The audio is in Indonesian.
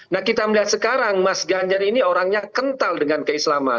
nah kita melihat sekarang mas ganjar ini orangnya kental dengan keislaman